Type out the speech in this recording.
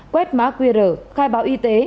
quét mã qr khai báo y tế